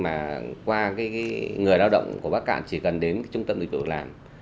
mà qua người lao động của bắc cạn chỉ cần đến trung tâm dịch vụ việc làm